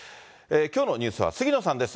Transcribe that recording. きょうのニュースは杉野さんです。